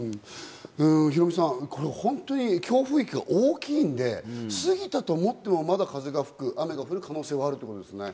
ヒロミさん、これ本当に強風域が大きいので、過ぎたと思っても、まだ風が吹く、雨が降る可能性があるということですよね。